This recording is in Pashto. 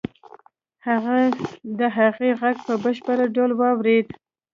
هغه د هغې غږ په بشپړ ډول واورېد.